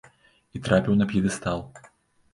І трапіў на п'едэстал.